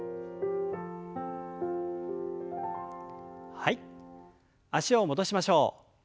はい脚を戻しましょう。